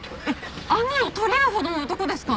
あんなの取り合うほどの男ですか？